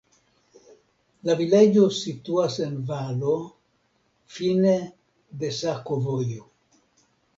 La vilaĝo situas en valo, fine de sakovojo.